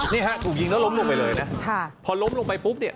นี่ฮะถูกยิงแล้วล้มลงไปเลยนะพอล้มลงไปปุ๊บเนี่ย